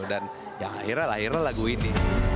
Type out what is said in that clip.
dan ya akhirnya lahirnya lagu ini